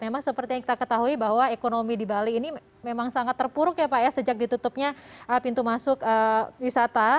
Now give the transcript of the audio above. memang seperti yang kita ketahui bahwa ekonomi di bali ini memang sangat terpuruk ya pak ya sejak ditutupnya pintu masuk wisata